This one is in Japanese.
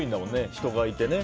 人がいてね。